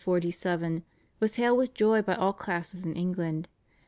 (1509 47) was hailed with joy by all classes in England.